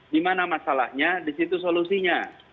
di mana masalahnya di situ solusinya